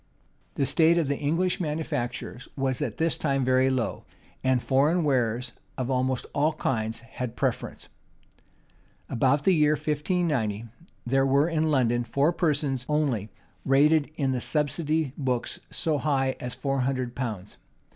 The state of the English manufactures was at this time very low; and foreign wares of almost all kinds had the preference.[*] About the year 1590, there were in London four persons only rated in the subsidy books so high as four hundred pounds.